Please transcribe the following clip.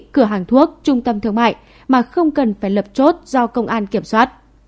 cửa hàng thuốc trung tâm thương mại mà không cần phải lập chốt do công an kiểm soát